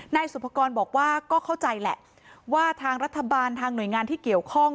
นายสุภกรบอกว่าก็เข้าใจแหละว่าทางรัฐบาลทางหน่วยงานที่เกี่ยวข้อง